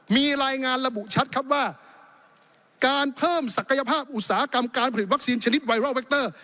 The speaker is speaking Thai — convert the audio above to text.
มีรายงานระบุชัดครับว่าการเพิ่มศักยภาพอุตสาหกรรมการผลิตวัคซีนชนิดไวรอลแวคเตอร์